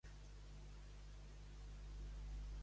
Peix de prima.